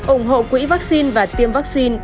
ủng hộ quỹ vaccine và tiêm vaccine